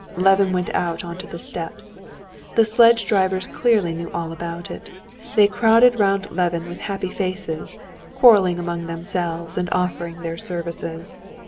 Levin went out onto the steps. The sledge drivers clearly knew all about it. They crowded round Levin with happy faces, quarreling among themselves, and offering their services.